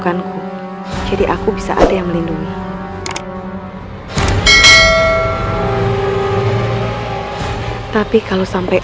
kau tidak akan terjadi ibu unda